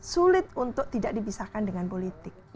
sulit untuk tidak dipisahkan dengan politik